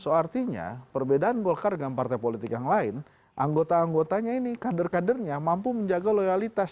so artinya perbedaan golkar dengan partai politik yang lain anggota anggotanya ini kader kadernya mampu menjaga loyalitas